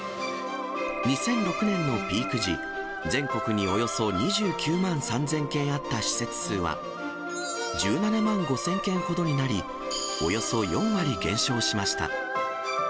２００６年のピーク時、全国におよそ２９万３０００軒あった施設数は、１７万５０００軒ほどになり、およそ４割減少しました。